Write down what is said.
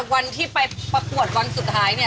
วันที่ไปประกวดวันสุดท้ายเนี่ย